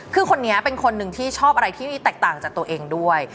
คือคนนี้เป็นคนหนึ่งที่ชอบอะไรที่แตกต่างจากตัวเองด้วย